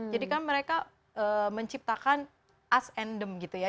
jadi kan mereka menciptakan us and them gitu ya